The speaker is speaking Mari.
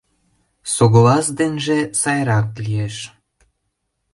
Соглас денже сайрак лиеш...